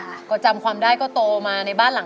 ทั้งในเรื่องของการทำงานเคยทำนานแล้วเกิดปัญหาน้อย